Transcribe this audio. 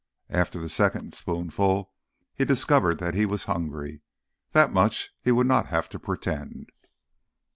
After the second spoonful he discovered that he was hungry—that much he would not have to pretend.